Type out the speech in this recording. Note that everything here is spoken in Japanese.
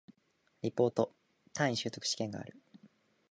リポート、単位習得試験がある